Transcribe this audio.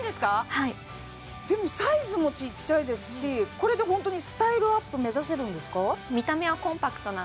はいでもサイズもちっちゃいですしこれでホントにスタイルアップ目指せるんですか？